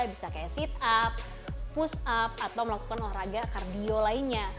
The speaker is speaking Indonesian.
bisa kayak sit up push up atau melakukan olahraga kardio lainnya